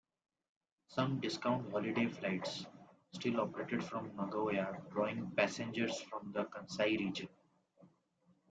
Some discount holiday flights still operated from Nagoya, drawing passengers from the Kansai region.